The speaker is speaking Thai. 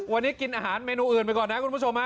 วันนี้กินอาหารเมนูอื่นไปก่อนนะคุณผู้ชมฮะ